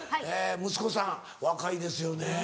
息子さん若いですよね。